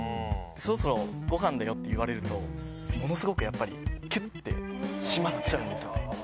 そろそろごはんだよって言われると、ものすごくやっぱり、きゅってしまっちゃうんですよね。